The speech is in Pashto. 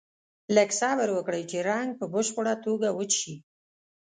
لږ څه صبر وکړئ چې رنګ په بشپړه توګه وچ شي.